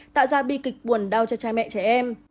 tạo ra bi kịch buồn đau cho cha mẹ trẻ em